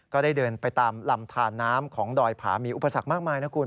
ก็ได้เดินไปตามลำทานน้ำของดอยผามีอุปสรรคมากมายนะคุณ